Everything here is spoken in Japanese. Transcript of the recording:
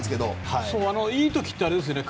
いい時ってあれですよね。